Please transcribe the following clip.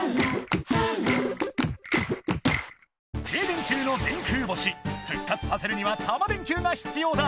てい電中の電空星復活させるにはタマ電Ｑが必要だ！